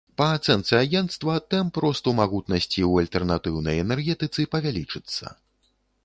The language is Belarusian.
Па ацэнцы агенцтва, тэмп росту магутнасці ў альтэрнатыўнай энергетыцы павялічыцца.